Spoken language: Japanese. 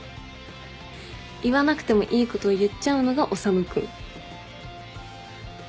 言わなくてもいいこと言っちゃうのが修君。